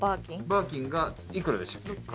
バーキンがいくらでしたっけ？